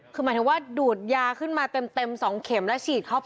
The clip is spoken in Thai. คือหมายถึงว่าดูดยาขึ้นมาเต็ม๒เข็มแล้วฉีดเข้าไป